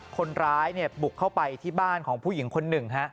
คนร้ายบุกเข้าไปที่บ้านของผู้หญิงคนหนึ่ง